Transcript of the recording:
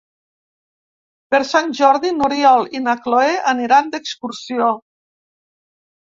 Per Sant Jordi n'Oriol i na Cloè aniran d'excursió.